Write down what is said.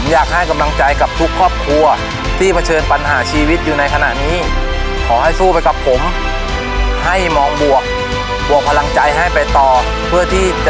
จำนวน๒ตัวภายในเวลา๓นาที